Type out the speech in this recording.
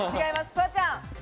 フワちゃん。